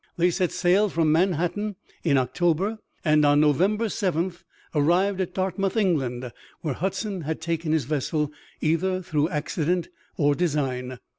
They set sail from Manhattan in October, and on November 7 arrived at Dartmouth, England, where Hudson had taken his vessel either through accident or design.